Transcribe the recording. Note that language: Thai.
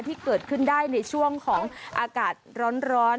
ที่เกิดขึ้นได้ในช่วงของอากาศร้อน